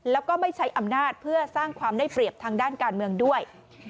แล้วก็ไม่ใช้อำนาจเพื่อสร้างความได้เปรียบทางด้านการเมืองด้วย